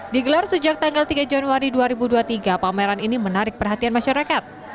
digelar sejak tanggal tiga januari dua ribu dua puluh tiga pameran ini menarik perhatian masyarakat